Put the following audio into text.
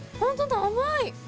甘い！